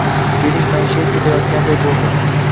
Beling mayishib ketayotgandayin bo‘ldi.